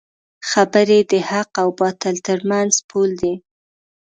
خبرې د حق او باطل ترمنځ پول دی